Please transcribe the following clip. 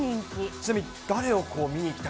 ちなみに誰を見にいきたい？